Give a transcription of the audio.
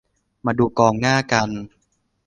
มาดูกองหน้ากัน